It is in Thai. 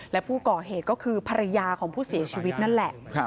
และผู้ก่อเหตุก็คือภรรยาของผู้เสียชีวิตนั่นแหละ